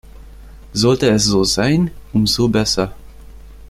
Sollte es so sein, um so besser.